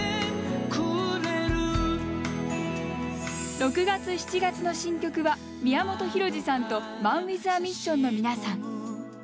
６月７月の新曲は宮本浩次さんとＭＡＮＷＩＴＨＡＭＩＳＳＩＯＮの皆さん。